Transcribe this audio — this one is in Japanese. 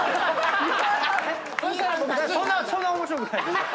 そんな面白くない。